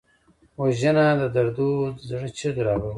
وژنه د دردو زړه چیغې راوباسي